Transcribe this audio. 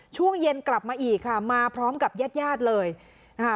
ช่วงเย็นกลับมาอีกค่ะมาพร้อมกับญาติญาติเลยค่ะ